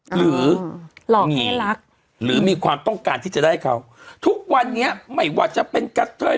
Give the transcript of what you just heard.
หรือหลอกให้รักหรือมีความต้องการที่จะได้เขาทุกวันนี้ไม่ว่าจะเป็นกะเทย